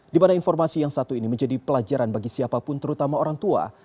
di mana informasi yang satu ini menjadi pelajaran bagi siapapun terutama orang tua